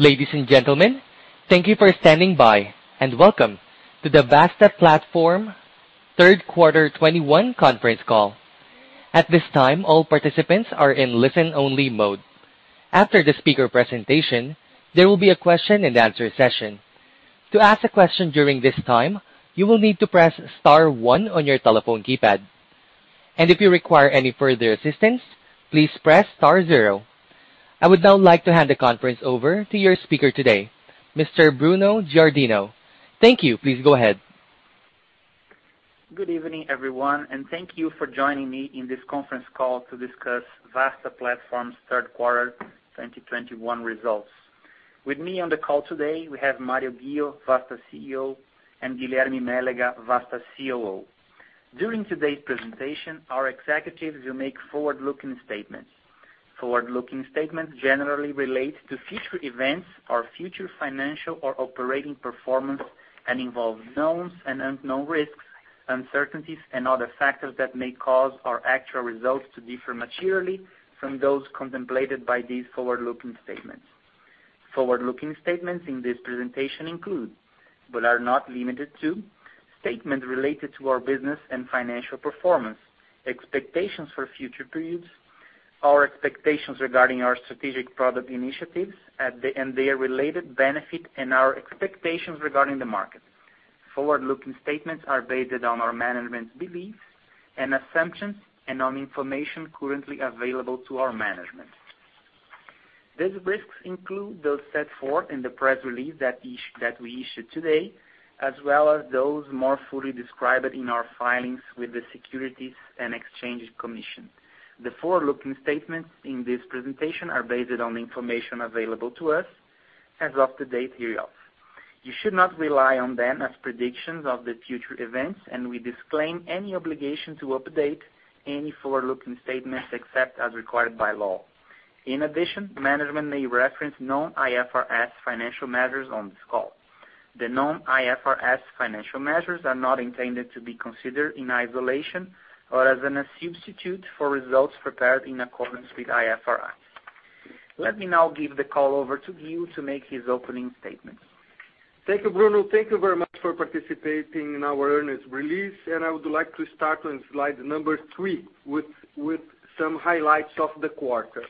Ladies and gentlemen, thank you for standing by, and welcome to the Vasta Platform Third Quarter 2021 Conference Call. At this time, all participants are in listen-only mode. After the speaker presentation, there will be a question and answer session. To ask a question during this time, you will need to press star one on your telephone keypad. If you require any further assistance, please press star zero. I would now like to hand the conference over to your speaker today, Mr. Bruno Giardino. Thank you. Please go ahead. Good evening, everyone, and thank you for joining me in this conference call to discuss Vasta Platform's third quarter 2021 results. With me on the call today, we have Mário Ghio, Vasta CEO, and Guilherme Mélega, Vasta COO. During today's presentation, our executives will make forward-looking statements. Forward-looking statements generally relate to future events or future financial or operating performance, and involve known and unknown risks, uncertainties, and other factors that may cause our actual results to differ materially from those contemplated by these forward-looking statements. Forward-looking statements in this presentation include, but are not limited to, statements related to our business and financial performance, expectations for future periods, our expectations regarding our strategic product initiatives and their related benefits and our expectations regarding the market. Forward-looking statements are based on our management's beliefs and assumptions and on information currently available to our management. These risks include those set forth in the press release that we issued today, as well as those more fully described in our filings with the Securities and Exchange Commission. The forward-looking statements in this presentation are based on the information available to us as of the date hereof. You should not rely on them as predictions of the future events, and we disclaim any obligation to update any forward-looking statements except as required by law. In addition, management may reference non-IFRS financial measures on this call. The non-IFRS financial measures are not intended to be considered in isolation or as a substitute for results prepared in accordance with IFRS. Let me now give the call over to Ghio to make his opening statements. Thank you, Bruno. Thank you very much for participating in our earnings release, and I would like to start on slide number three with some highlights of the quarter.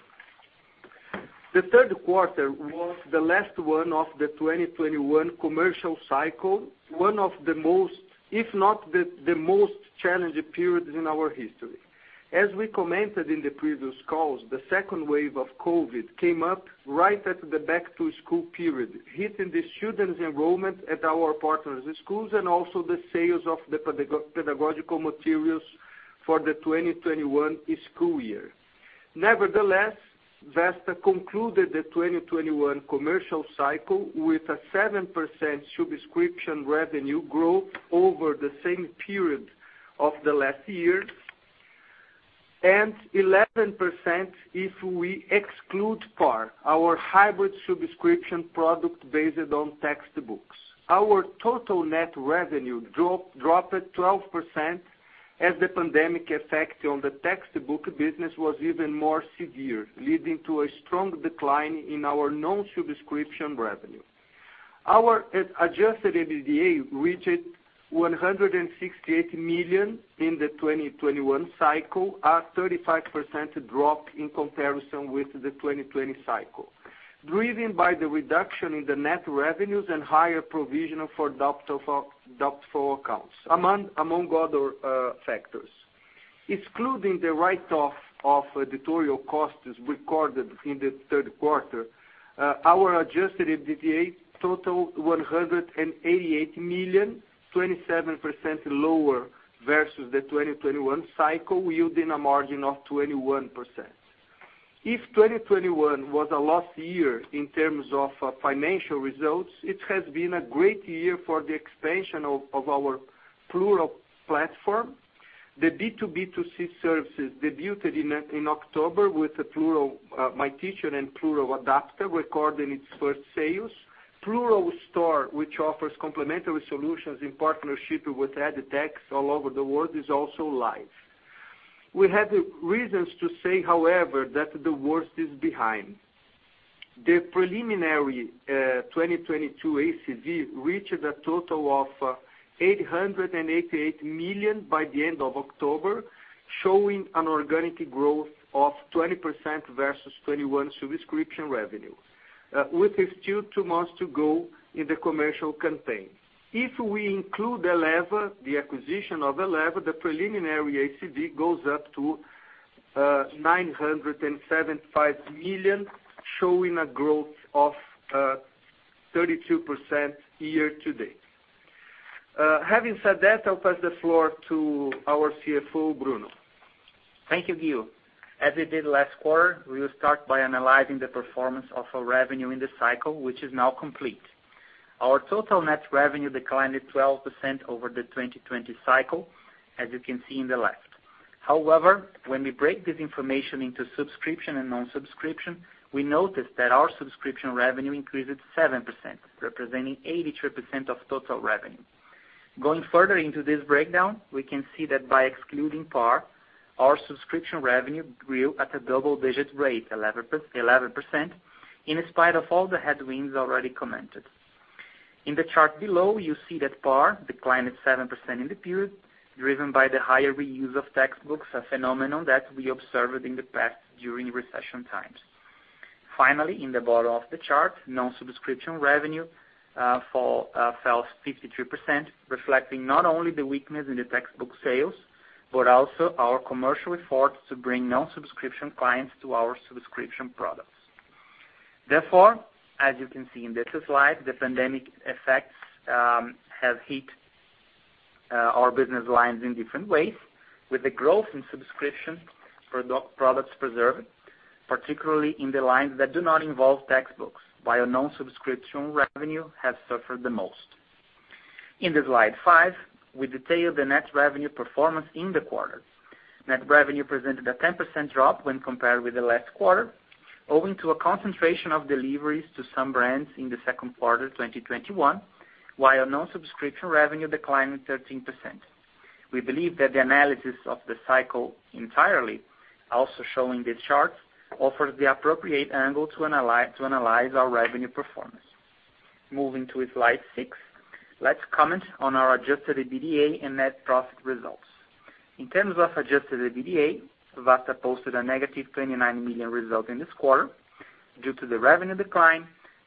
The third quarter was the last one of the 2021 commercial cycle, one of the most, if not the most challenging periods in our history. As we commented in the previous calls, the second wave of COVID came up right at the back to school period, hitting the students enrollment at our partners' schools and also the sales of the pedagogical materials for the 2021 school year. Nevertheless, Vasta concluded the 2021 commercial cycle with a 7% subscription revenue growth over the same period of the last year, and 11% if we exclude PAR, our hybrid subscription product based on textbooks. Our total net revenue dropped 12% as the pandemic effect on the textbook business was even more severe, leading to a strong decline in our non-subscription revenue. Our adjusted EBITDA reached 168 million in the 2021 cycle, a 35% drop in comparison with the 2020 cycle, driven by the reduction in the net revenues and higher provision for doubtful accounts, among other factors. Excluding the write-off of editorial costs recorded in the third quarter, our adjusted EBITDA totaled 188 million, 27% lower versus the 2021 cycle, yielding a margin of 21%. If 2021 was a lost year in terms of financial results, it has been a great year for the expansion of our Plurall platform. The B2B2C services debuted in October with the Plurall My Teacher and Plurall Adapta recording its first sales. Plurall Store, which offers complementary solutions in partnership with EdTech all over the world, is also live. We have reasons to say, however, that the worst is behind. The preliminary 2022 ACV reached a total of 888 million by the end of October, showing an organic growth of 20% versus 2021 subscription revenues, with still two months to go in the commercial campaign. If we include the Eleva, the acquisition of Eleva, the preliminary ACV goes up to 975 million, showing a growth of 32% year to date. Having said that, I'll pass the floor to our CFO, Bruno. Thank you, Ghio. As we did last quarter, we will start by analyzing the performance of our revenue in the cycle, which is now complete. Our total net revenue declined 12% over the 2020 cycle, as you can see on the left. However, when we break this information into subscription and non-subscription, we notice that our subscription revenue increased 7%, representing 83% of total revenue. Going further into this breakdown, we can see that by excluding PAR, our subscription revenue grew at a double-digit rate, 11%, in spite of all the headwinds already commented. In the chart below, you see that PAR declined 7% in the period, driven by the higher reuse of textbooks, a phenomenon that we observed in the past during recession times. Finally, in the bottom of the chart, non-subscription revenue fell 53%, reflecting not only the weakness in the textbook sales, but also our commercial efforts to bring non-subscription clients to our subscription products. Therefore, as you can see in this slide, the pandemic effects have hit our business lines in different ways, with the growth in subscription products preserved, particularly in the lines that do not involve textbooks, while non-subscription revenue has suffered the most. In the slide five, we detail the net revenue performance in the quarters. Net revenue presented a 10% drop when compared with the last quarter, owing to a concentration of deliveries to some brands in the second quarter of 2021, while non-subscription revenue declined 13%. We believe that the analysis of the cycle entirely, also shown in this chart, offers the appropriate angle to analyze our revenue performance. Moving to slide six, let's comment on our adjusted EBITDA and net profit results. In terms of adjusted EBITDA, Vasta posted a -29 million result in this quarter due to the revenue decline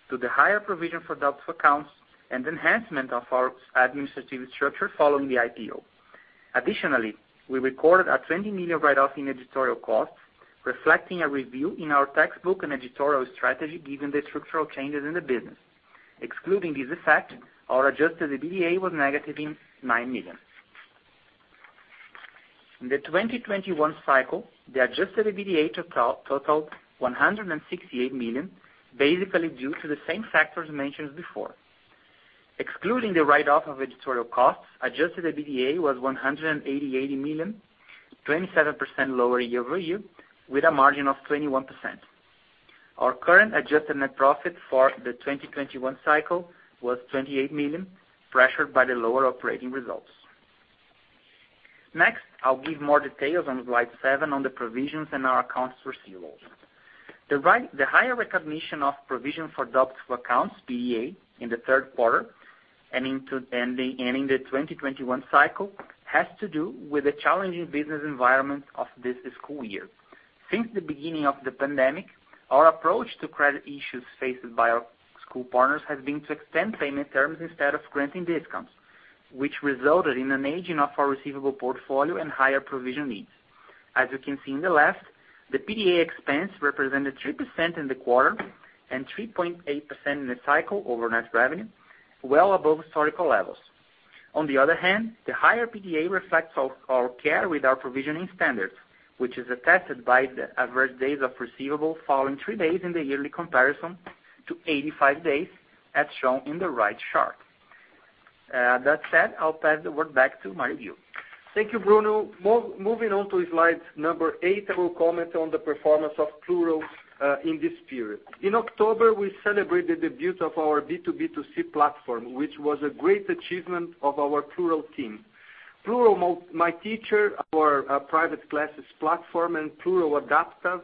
to the higher provision for doubtful accounts and enhancement of our administrative structure following the IPO. Additionally, we recorded a 20 million write-off in editorial costs, reflecting a review in our textbook and editorial strategy given the structural changes in the business. Excluding this effect, our adjusted EBITDA was BRL -9 million. In the 2021 cycle, the adjusted EBITDA totaled 168 million, basically due to the same factors mentioned before. Excluding the write-off of editorial costs, adjusted EBITDA was 188 million, 27% lower year-over-year, with a margin of 21%. Our current adjusted net profit for the 2021 cycle was 28 million, pressured by the lower operating results. Next, I'll give more details on slide seven on the provisions in our accounts receivable. The higher recognition of provision for doubtful accounts, PDA, in the third quarter and in the 2021 cycle has to do with the challenging business environment of this school year. Since the beginning of the pandemic, our approach to credit issues faced by our school partners has been to extend payment terms instead of granting discounts, which resulted in an aging of our receivable portfolio and higher provision needs. As you can see in the left, the PDA expense represented 3% in the quarter and 3.8% in the cycle over net revenue, well above historical levels. On the other hand, the higher PDA reflects our care with our provisioning standards, which is attested by the average days of receivable falling three days in the yearly comparison to 85 days, as shown in the right chart. That said, I'll pass the word back to Mário. Thank you, Bruno. Moving on to slide number eight, I will comment on the performance of Plurall in this period. In October, we celebrated the debut of our B2B2C platform, which was a great achievement of our Plurall team. Plurall My Teacher, our private classes platform, and Plurall Adapta,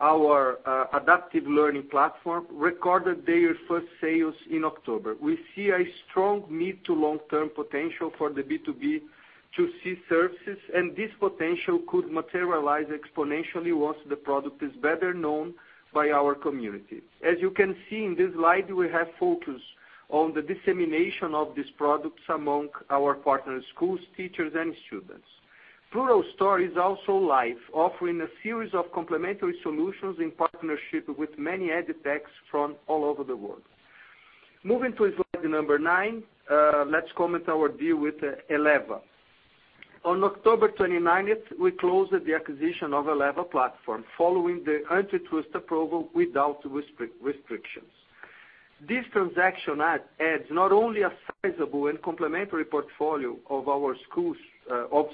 our adaptive learning platform, recorded their first sales in October. We see a strong mid- to long-term potential for the B2B2C services, and this potential could materialize exponentially once the product is better known by our community. As you can see in this slide, we have focused on the dissemination of these products among our partner schools, teachers, and students. Plurall Store is also live, offering a series of complementary solutions in partnership with many EdTechs from all over the world. Moving to slide number nine, let's comment on our deal with Eleva. On October 29th, we closed the acquisition of Eleva Platform following the antitrust approval without restrictions. This transaction adds not only a sizable and complementary portfolio of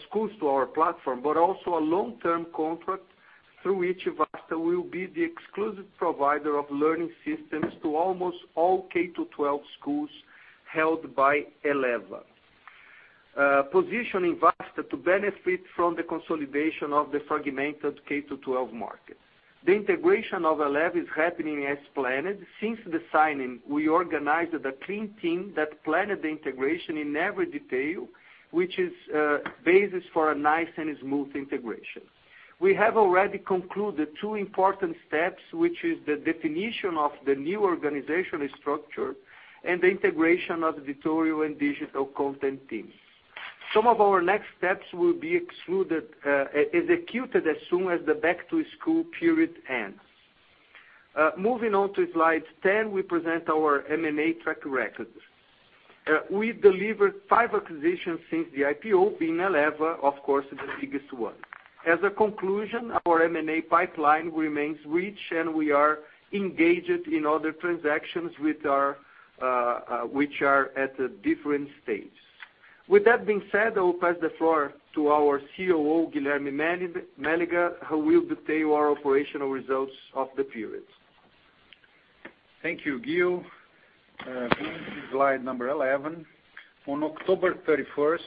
schools to our platform, but also a long-term contract through which Vasta will be the exclusive provider of learning systems to almost all K-12 schools held by Eleva, positioning Vasta to benefit from the consolidation of the fragmented K-12 market. The integration of Eleva is happening as planned. Since the signing, we organized a clean team that planned the integration in every detail, which is the basis for a nice and smooth integration. We have already concluded two important steps, which is the definition of the new organizational structure and the integration of editorial and digital content teams. Some of our next steps will be executed as soon as the back-to-school period ends. Moving on to slide 10, we present our M&A track record. We delivered five acquisitions since the IPO, being Eleva, of course, the biggest one. As a conclusion, our M&A pipeline remains rich, and we are engaged in other transactions which are at a different stage. With that being said, I will pass the floor to our COO, Guilherme Mélega, who will detail our operational results of the period. Thank you, Ghio. Going to slide 11. On October 31st,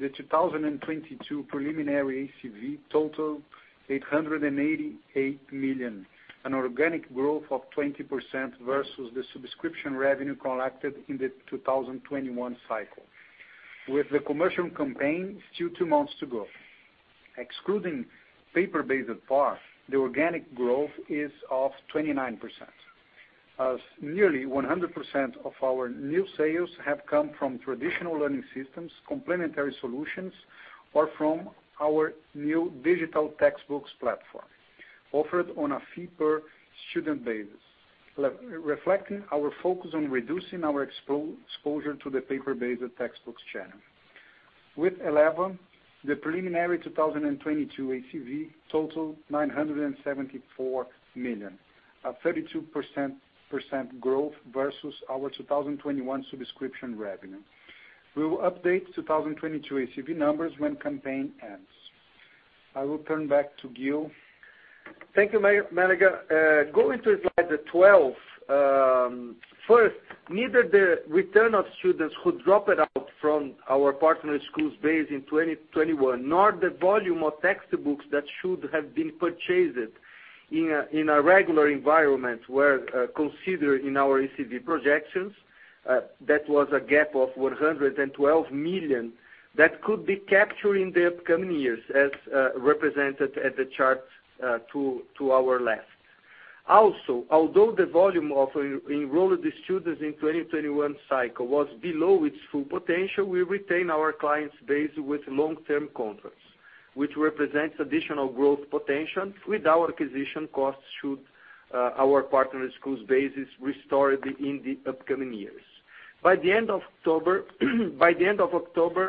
2022, the preliminary ACV totaled 888 million, an organic growth of 20% versus the subscription revenue collected in the 2021 cycle. With the commercial campaign still two months to go. Excluding paper-based PAR, the organic growth is of 29%. As nearly 100% of our new sales have come from traditional learning systems, complementary solutions, or from our new digital textbooks platform offered on a fee per student basis. Reflecting our focus on reducing our exposure to the paper-based textbooks channel. With Eleva, the preliminary 2022 ACV total 974 million, a 32% growth versus our 2021 subscription revenue. We will update 2022 ACV numbers when campaign ends. I will turn back to Ghio. Thank you, Guilherme Mélega. Going to slide 12. First, neither the return of students who dropped out from our partner schools base in 2021, nor the volume of textbooks that should have been purchased in a regular environment were considered in our ACV projections. That was a gap of 112 million that could be captured in the upcoming years as represented at the chart to our left. Although the volume of enrolled students in 2021 cycle was below its full potential, we retain our clients base with long-term contracts, which represents additional growth potential with our acquisition costs should our partner schools bases restore in the upcoming years. By the end of October,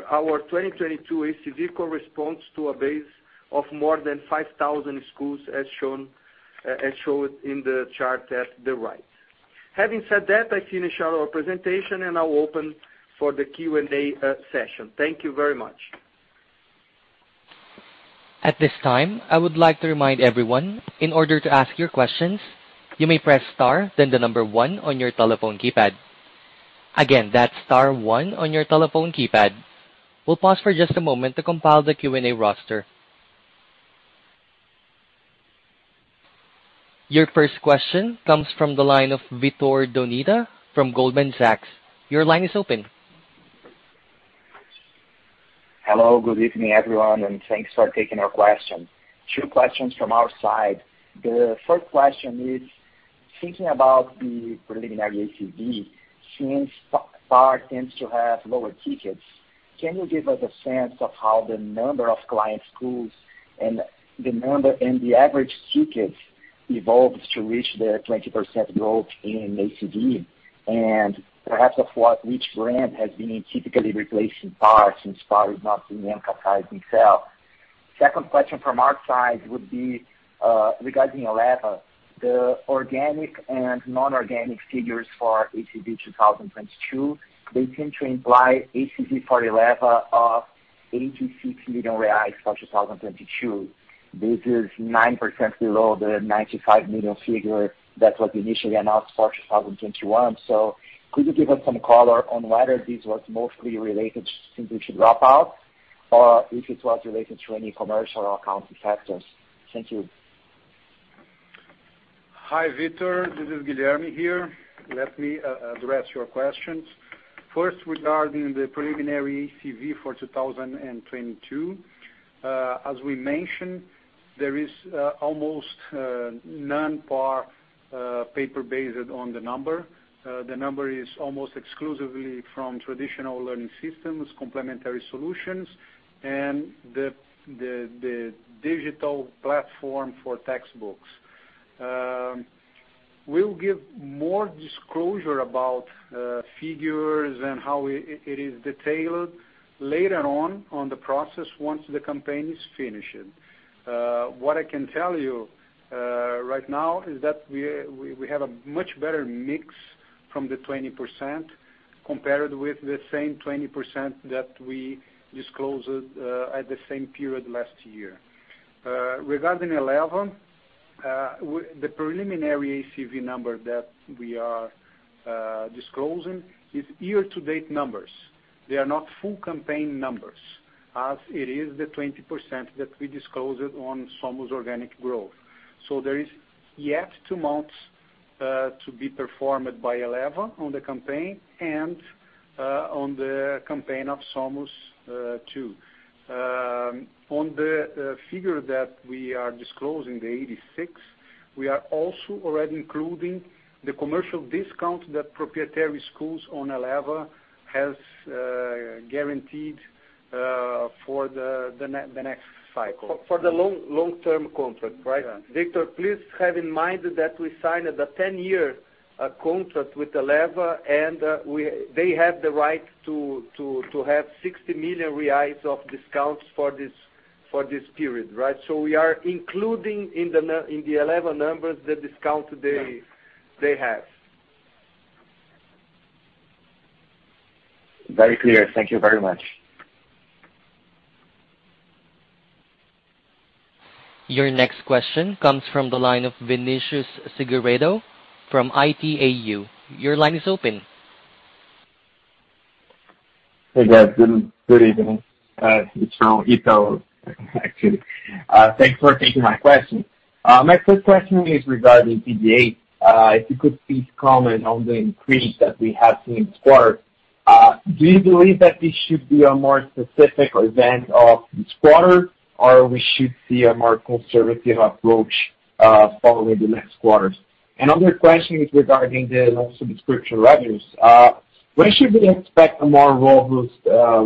our 2022 ACV corresponds to a base of more than 5,000 schools as shown in the chart at the right. Having said that, I finish our presentation, and I'll open for the Q&A session. Thank you very much. At this time, I would like to remind everyone, in order to ask your questions, you may press star, then the number one on your telephone keypad. Again, that's star one on your telephone keypad. We'll pause for just a moment to compile the Q&A roster. Your first question comes from the line of Vitor Tomita from Goldman Sachs. Your line is open. Hello. Good evening, everyone, and thanks for taking our question. Two questions from our side. The first question is thinking about the preliminary ACV, since PAR tends to have lower tickets, can you give us a sense of how the number of client schools and the number and the average tickets evolves to reach the 20% growth in ACV? And perhaps which brand has been typically replacing PAR since PAR is not being emphasized itself. Second question from our side would be regarding Eleva. The organic and non-organic figures for ACV 2022, they seem to imply ACV for Eleva of 86 million reais for 2022. This is 9% below the 95 million figure that was initially announced for 2021. Could you give us some color on whether this was mostly related simply to drop out or if it was related to any commercial or accounting factors? Thank you. Hi, Vitor. This is Guilherme here. Let me address your questions. First, regarding the preliminary ACV for 2022. As we mentioned, there is almost none PAR paper-based on the number. The number is almost exclusively from traditional learning systems, complementary solutions, and the digital platform for textbooks. We'll give more disclosure about figures and how it is detailed later on the process once the campaign is finished. What I can tell you right now is that we have a much better mix from the 20% compared with the same 20% that we disclosed at the same period last year. Regarding Eleva, the preliminary ACV number that we are disclosing is year-to-date numbers. They are not full campaign numbers as it is the 20% that we disclosed on Somos' organic growth. There is yet two months to be performed by Eleva on the campaign and on the campaign of Somos too. On the figure that we are disclosing, the 86%, we are also already including the commercial discount that proprietary schools on Eleva has guaranteed for the next cycle. For the long-term contract, right? Yeah. Vitor, please have in mind that we signed the 10-year contract with Eleva, and they have the right to have 60 million reais of discounts for this period, right? We are including in the Eleva numbers the discount they- Yeah. They have. Very clear. Thank you very much. Your next question comes from the line of Vinicius Figueiredo from Itaú. Your line is open. Hey, guys. Good evening. It's from Itaú actually. Thanks for taking my question. My first question is regarding PDA. If you could please comment on the increase that we have seen in quarter. Do you believe that this should be a more specific event of this quarter, or we should see a more conservative approach, following the next quarters? Another question is regarding the non-subscription revenues. When should we expect a more robust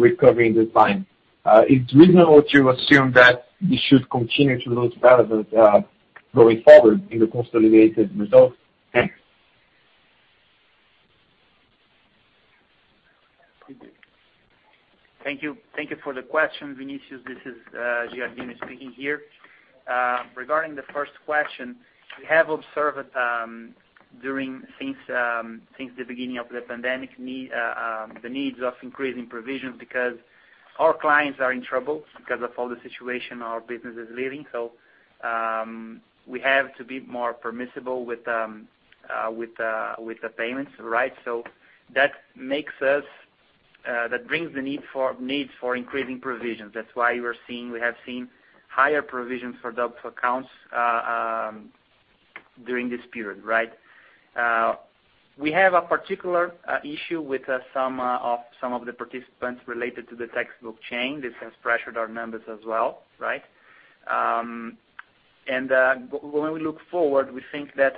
recovery in this line? It's reasonable to assume that this should continue to lose relevance, going forward in the consolidated results. Thanks. Thank you for the question, Vinicius. This is Giardino speaking here. Regarding the first question, we have observed since the beginning of the pandemic the needs of increasing provisions because our clients are in trouble because of all the situation our business is living. We have to be more permissible with the payments, right? That brings the needs for increasing provisions. That's why we have seen higher provisions for doubtful accounts during this period, right? We have a particular issue with some of the participants related to the textbook chain. This has pressured our members as well, right? When we look forward, we think that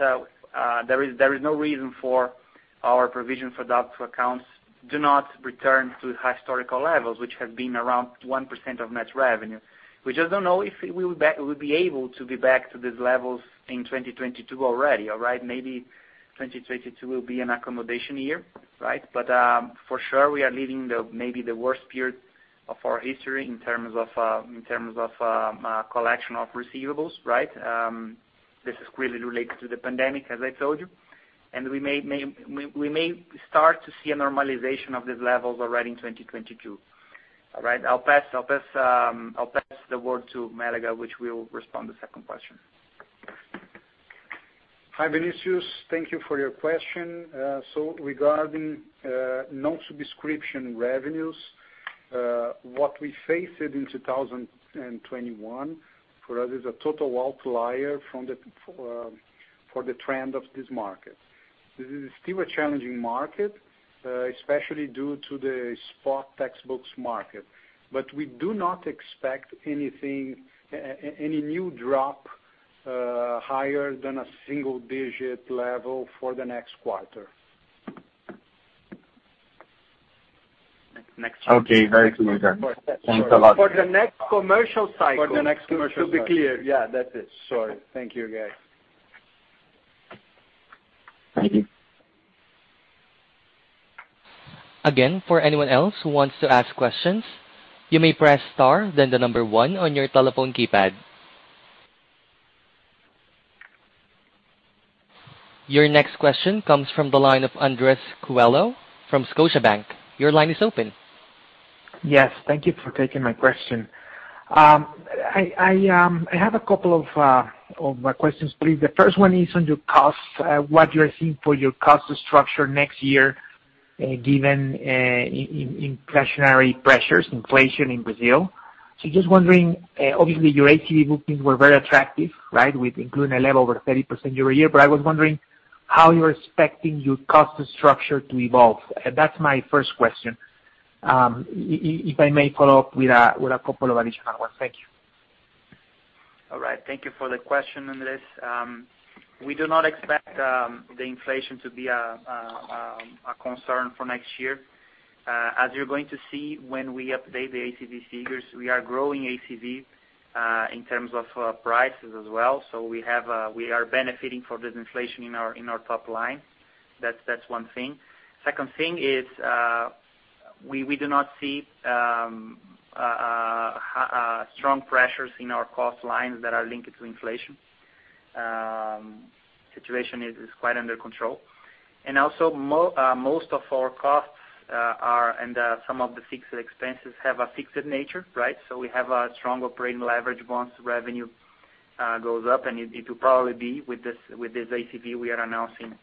there is no reason for our provision for doubtful accounts do not return to historical levels, which have been around 1% of net revenue. We just don't know if we'll be able to be back to these levels in 2022 already, all right? Maybe 2022 will be an accommodation year, right? For sure, we are leaving maybe the worst period of our history in terms of collection of receivables, right? This is clearly related to the pandemic, as I told you. We may start to see a normalization of these levels already in 2022. All right? I'll pass the word to Mélega, which will respond to the second question. Hi, Vinicius. Thank you for your question. Regarding non-subscription revenues, what we faced in 2021 for us is a total outlier from for the trend of this market. This is still a challenging market, especially due to the spot textbooks market. We do not expect anything, any new drop, higher than a single digit level for the next quarter. Okay. Very clear, sir. Thanks a lot. For the next commercial cycle. For the next commercial cycle. To be clear. Yeah. That's it. Sorry. Thank you, guys. Thank you. Again, for anyone else who wants to ask questions, you may press star then one on your telephone keypad. Your next question comes from the line of Andres Coello from Scotiabank. Your line is open. Yes. Thank you for taking my question. I have a couple of questions, please. The first one is on your costs, what you're seeing for your cost structure next year, given inflationary pressures, inflation in Brazil. Just wondering, obviously your ACV bookings were very attractive, right? With including Eleva over 30% year-over-year. I was wondering how you're expecting your cost structure to evolve. That's my first question. If I may follow up with a couple of additional ones. Thank you. All right. Thank you for the question, Andres. We do not expect the inflation to be a concern for next year. As you're going to see when we update the ACV figures, we are growing ACV in terms of prices as well. We are benefiting from this inflation in our top line. That's one thing. Second thing is, we do not see strong pressures in our cost lines that are linked to inflation. Situation is quite under control. Most of our costs are fixed, and some of the fixed expenses have a fixed nature, right? We have a strong operating leverage once revenue goes up. It will probably be with this ACV we are announcing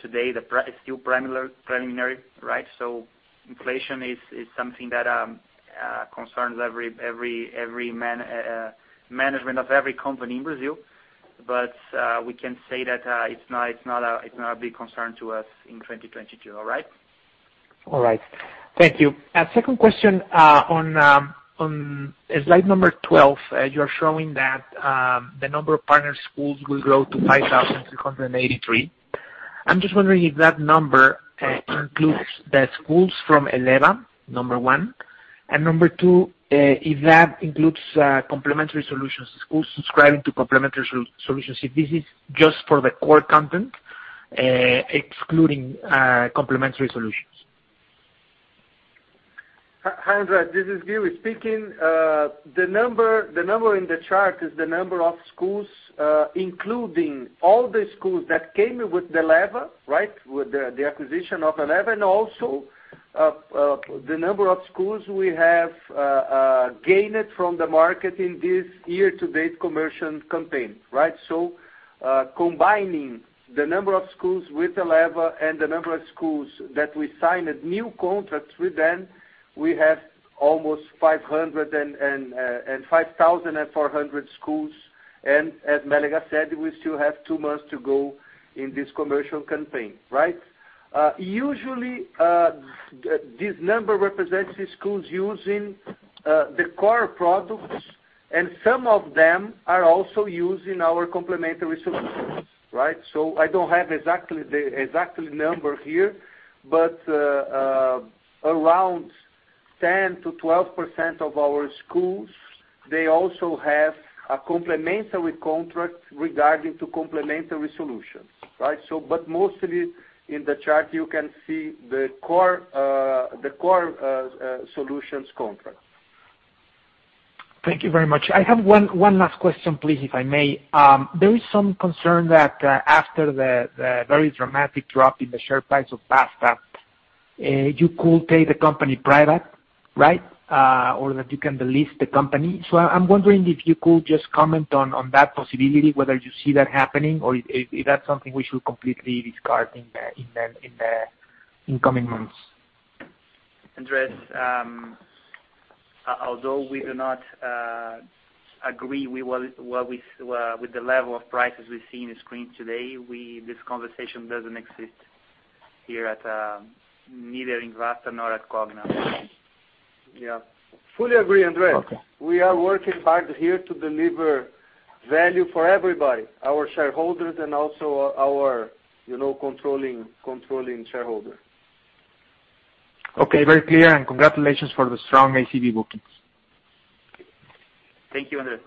today. It's still preliminary, right? Inflation is something that concerns every management of every company in Brazil. We can say that it's not a big concern to us in 2022. All right? All right. Thank you. Second question, on slide number 12, you're showing that the number of partner schools will grow to 5,383. I'm just wondering if that number includes the schools from Eleva, number one. Number two, if that includes complementary solutions, schools subscribing to complementary solutions. If this is just for the core content, excluding complementary solutions. Hi, Andres. This is Ghio speaking. The number in the chart is the number of schools, including all the schools that came with the Eleva, right? With the acquisition of Eleva and also the number of schools we have gained from the market in this year to date commercial campaign, right? Combining the number of schools with the Eleva and the number of schools that we signed new contracts with them, we have almost 500 and 5,400 schools. As Mélega said, we still have two months to go in this commercial campaign, right? Usually, this number represents the schools using the core products, and some of them are also using our complementary solutions, right? I don't have exactly the number here, but around 10%-12% of our schools, they also have a complementary contract regarding to complementary solutions, right? Mostly in the chart you can see the core solutions contract. Thank you very much. I have one last question, please, if I may. There is some concern that, after the very dramatic drop in the share price of Vasta, you could take the company private, right? Or that you can delist the company. I'm wondering if you could just comment on that possibility, whether you see that happening or is that something we should completely discard in the coming months. Andres, although we do not agree with the level of prices we see on the screen today, this conversation doesn't exist here, neither in Vasta nor at Cogna. Yeah. Fully agree, Andres. Okay. We are working hard here to deliver value for everybody, our shareholders and also our, you know, controlling shareholder. Okay. Very clear. Congratulations for the strong ACV bookings. Thank you, Andres.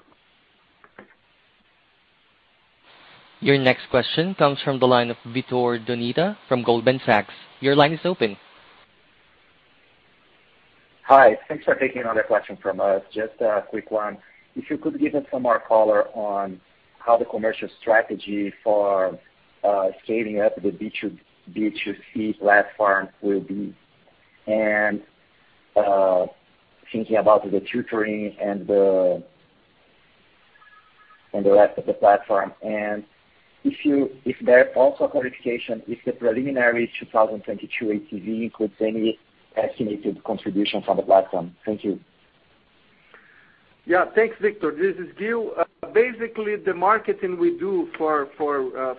Your next question comes from the line of Vitor Tomita from Goldman Sachs. Your line is open. Hi. Thanks for taking another question from us. Just a quick one. If you could give us some more color on how the commercial strategy for scaling up the B2B2C platform will be, thinking about the tutoring and the rest of the platform. Also a clarification, if the preliminary 2022 ACV includes any estimated contribution from the platform. Thank you. Yeah. Thanks, Vitor. This is Ghio. Basically, the marketing we do for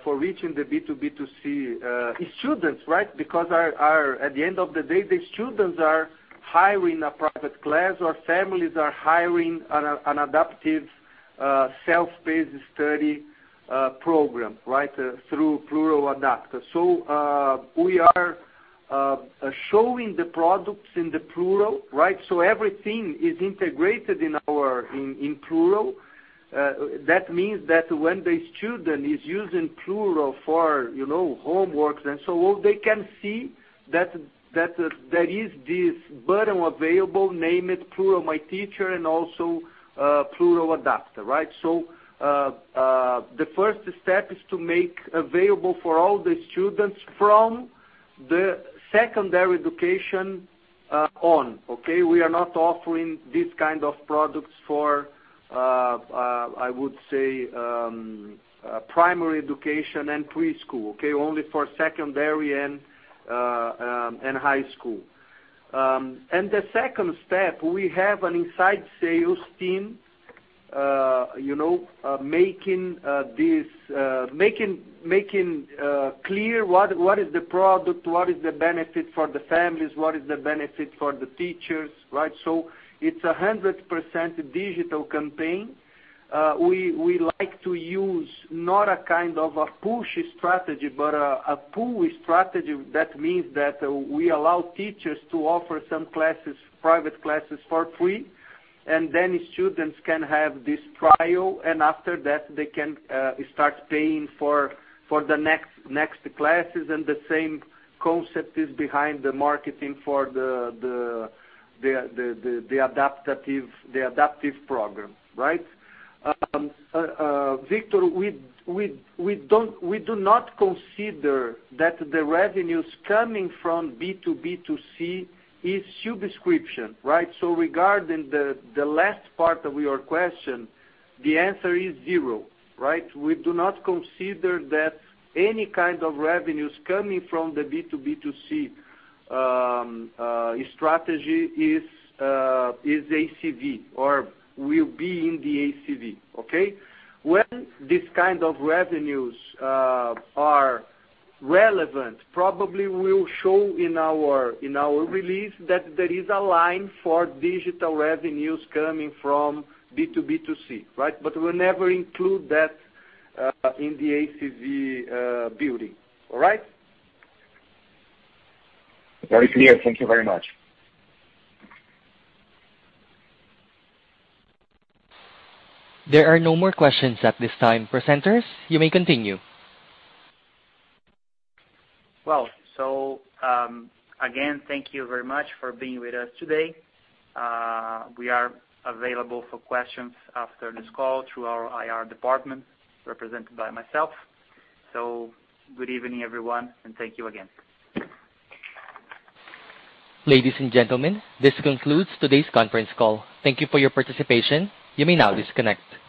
reaching the B2B2C students, right? Because at the end of the day, the students are hiring a private class or families are hiring an adaptive self-paced study program, right? Through Plurall Adapta. We are showing the products in the Plurall, right? So everything is integrated in our Plurall. That means that when the student is using Plurall for, you know, homework and so on, they can see that there is this button available, named Plurall My Teacher and also Plurall Adapta, right? The first step is to make available for all the students from the secondary education on. Okay? We are not offering these kind of products for, I would say, primary education and preschool. Okay? Only for secondary and high school. The second step, we have an inside sales team, you know, making clear what is the product, what is the benefit for the families, what is the benefit for the teachers, right? It's 100% digital campaign. We like to use not a kind of a push strategy but a pull strategy. That means that we allow teachers to offer some classes, private classes for free, and then students can have this trial, and after that they can start paying for the next classes. The same concept is behind the marketing for the adaptive program, right? Vitor, we do not consider that the revenues coming from B2B2C is subscription, right? Regarding the last part of your question, the answer is zero, right? We do not consider that any kind of revenues coming from the B2B2C strategy is ACV or will be in the ACV, okay? When this kind of revenues are relevant, probably we'll show in our release that there is a line for digital revenues coming from B2B2C, right? We'll never include that in the ACV building. All right? Very clear. Thank you very much. There are no more questions at this time. Presenters, you may continue. Again, thank you very much for being with us today. We are available for questions after this call through our IR department, represented by myself. Good evening, everyone, and thank you again. Ladies and gentlemen, this concludes today's conference call. Thank you for your participation. You may now disconnect.